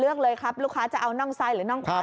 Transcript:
เลือกเลยครับลูกค้าจะเอาน่องซ้ายหรือน่องขวา